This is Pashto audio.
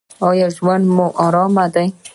ایا ژوند مو ارام دی؟